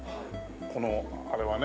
このあれはね。